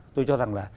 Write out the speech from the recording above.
tôi cho rằng là